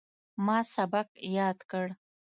ما سبق یاد کړ.